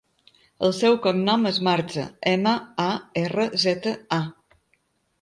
El seu cognom és Marza: ema, a, erra, zeta, a.